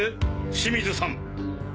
清水さん！